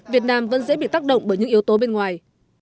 việt nam vẫn dễ bị tác động bởi những yếu tố bên ngoài